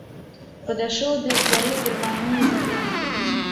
Падышоў да дзвярэй, ірвануў за клямку.